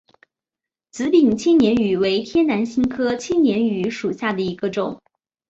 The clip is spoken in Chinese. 紫柄千年芋为天南星科千年芋属下的一个种。